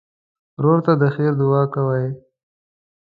ورور ته د خیر دعا کوې.